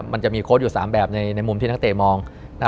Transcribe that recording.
มันจะมีโค้ดอยู่๓แบบในมุมที่นักเตะมอง